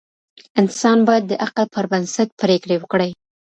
انسان باید د عقل پر بنسټ پریکړې وکړي.